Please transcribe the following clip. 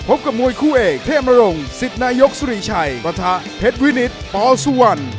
กับมวยคู่เอกเทพนรงสิทธิ์นายกสุริชัยปะทะเพชรวินิตปสุวรรณ